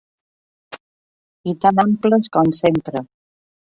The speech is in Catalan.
I tan amples com sempre.